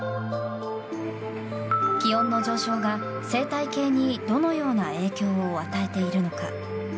気温の上昇が、生態系にどのような影響を与えているのか。